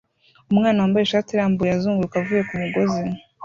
Umwana wambaye ishati irambuye azunguruka avuye kumugozi